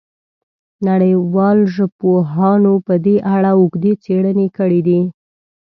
نړیوالو ژبپوهانو په دې اړه اوږدې څېړنې کړې دي.